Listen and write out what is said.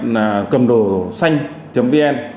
là cầm đồ xanh vn